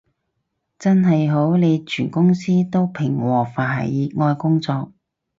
真係好，你全公司都平和佛系熱愛工作